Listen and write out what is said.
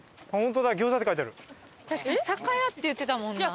確かに「酒屋」って言ってたもんな。